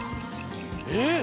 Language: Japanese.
えっ？